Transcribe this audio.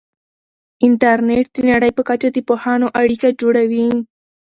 انټرنیټ د نړۍ په کچه د پوهانو اړیکه جوړوي.